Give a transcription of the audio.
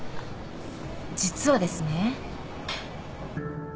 実はですね。